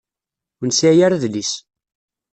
Ur nesεi ara adlis.